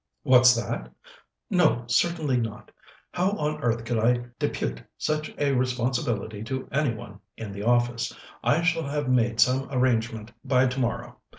What's that?... No, certainly not. How on earth could I depute such a responsibility to any one in the office. I shall have made some arrangement by tomorrow.